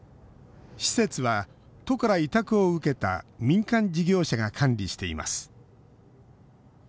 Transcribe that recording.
施設は都から委託を受けた民間事業者が管理しています。